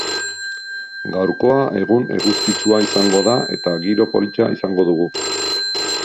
Gaurkoa egun eguzkitsua izango da eta giro polita izango dugu.